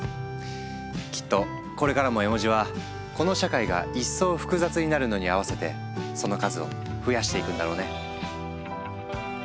きっとこれからも絵文字はこの社会が一層複雑になるのに合わせてその数を増やしていくんだろうね。